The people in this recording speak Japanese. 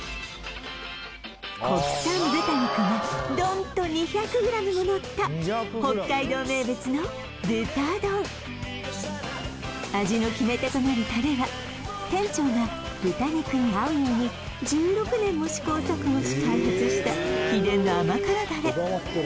国産豚肉がドンっと２００グラムものった北海道名物の豚丼味の決め手となるタレは店長が豚肉に合うように１６年も試行錯誤し開発した秘伝の甘辛ダレ